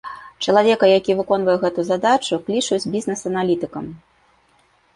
Чалавека, які выконвае гэтую задачу, клічуць бізнес-аналітыкам.